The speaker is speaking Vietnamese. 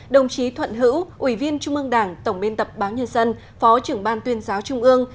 đồng chí thuận hữu ủy viên trung ương đảng tổng biên tập báo nhân dân phó trưởng ban tuyên giáo trung ương